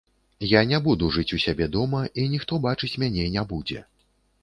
Я не буду жыць у сябе дома, і ніхто бачыць мяне не будзе.